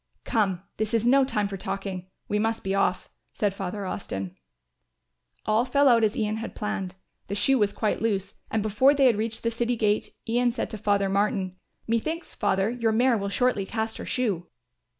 "Come, this is no time for talking, we must be off," said Father Austin. All fell out as Ian had planned; the shoe was quite loose and before they had reached the city gate, Ian said to Father Martin, "Methinks, Father, your mare will shortly cast her shoe."